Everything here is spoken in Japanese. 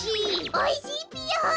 おいしいぴよ。